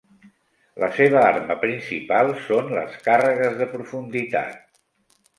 La seva arma principal són les càrregues de profunditat.